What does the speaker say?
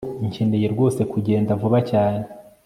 Nkeneye rwose kugenda vuba cyane